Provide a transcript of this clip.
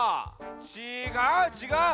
ちがうちがう。